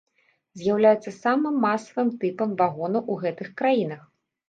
З'яўляецца самым масавым тыпам вагонаў у гэтых краінах.